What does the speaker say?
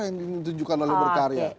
yang ditunjukkan oleh berkarya